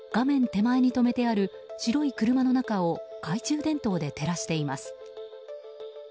手前に止めてある白い車の中を懐中電灯で照らしています。